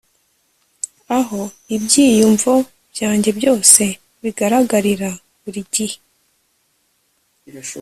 aho ibyiyumvo byanjye byose bigaragarira buri gihe